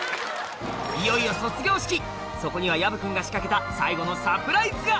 いよいよ卒業式そこには矢不くんが仕掛けた最後のサプライズが！